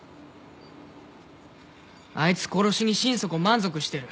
あいつ殺しに心底満足してる。